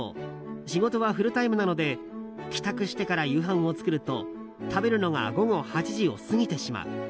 仕事はフルタイムなので帰宅してから夕飯を作ると食べるのが午後８時を過ぎてしまう。